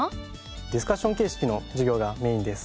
ディスカッション形式の授業がメインです。